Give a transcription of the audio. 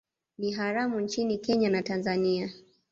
Ni haramu nchini Kenya na Tanzania